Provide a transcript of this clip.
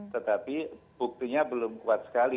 tetapi buktinya belum kuat sekali